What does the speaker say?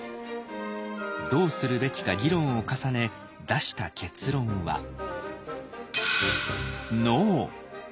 どうするべきか議論を重ね出した結論は。